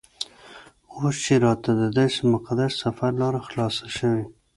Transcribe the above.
اوس چې راته دداسې مقدس سفر لاره خلاصه شوې.